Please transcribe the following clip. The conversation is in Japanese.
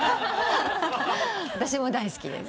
私も大好きです。